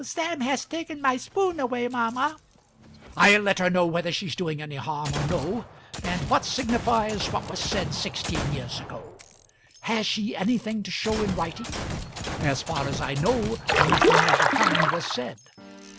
"Sam has taken my spoon away, mamma." "I'll let her know whether she's doing any harm or no. And what signifies what was said sixteen years ago? Has she anything to show in writing? As far as I know, nothing of the kind was said."